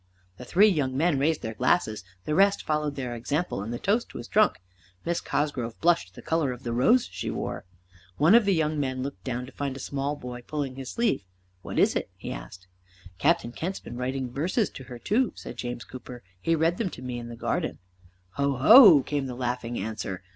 The three young men raised their glasses, the rest followed their example, and the toast was drunk. Miss Cosgrove blushed the color of the rose she wore. One of the young men looked down to find a small boy pulling his sleeve. "What is it?" he asked. "Captain Kent's been writing verses to her too," said James Cooper. "He read them to me in the garden." "Ho ho," came the laughing answer.